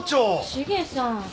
シゲさん。